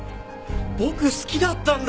僕好きだったんだ。